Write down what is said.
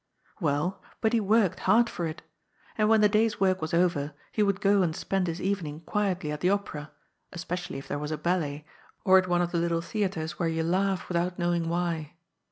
Well, but he worked hard for it. And when the day's work was over, he would go and spend his evening quietly at the opera, especially if there was a ballet, or at one of the little theatres where you laugh without knowing why.